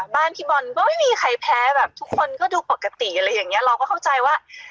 พี่บอลก็ไม่มีใครแพ้แบบทุกคนก็ดูปกติอะไรอย่างเงี้ยเราก็เข้าใจว่า